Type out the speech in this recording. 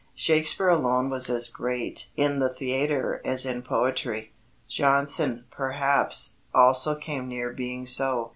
Shakespeare alone was as great in the theatre as in poetry. Jonson, perhaps, also came near being so.